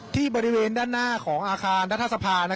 บริเวณด้านหน้าของอาคารรัฐสภา